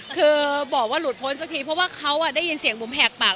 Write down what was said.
คือบอกว่าหลุดพ้นสักทีเพราะว่าเขาได้ยินเสียงบุ๋มแหกปาก